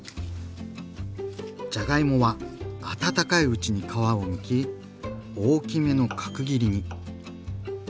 じゃがいもはあたたかいうちに皮をむき大きめの角切りに。